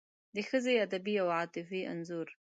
د ښځې ادبي او عاطفي انځور